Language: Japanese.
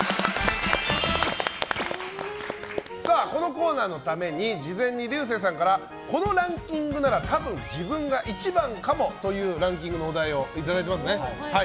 このコーナーのために事前に竜星さんからこのランキングなら多分、自分が１番かもというランキングのお題をいただいています。